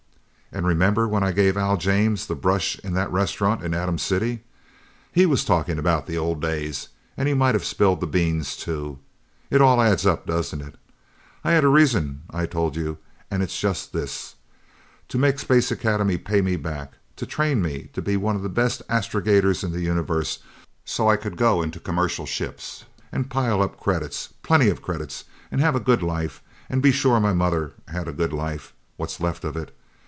And remember, when I gave Al James the brush in that restaurant in Atom City? He was talking about the old days, and he might have spilled the beans too. It all adds up, doesn't it? I had a reason I told you and it's just this! To make Space Academy pay me back! To train me to be one of the best astrogators in the universe so I could go into commercial ships and pile up credits! Plenty of credits and have a good life, and be sure my mother had a good life what's left of it.